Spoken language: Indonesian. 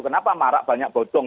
kenapa marak banyak bocong